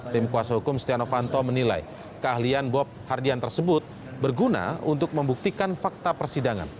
tim kuasa hukum setia novanto menilai keahlian bob hardian tersebut berguna untuk membuktikan fakta persidangan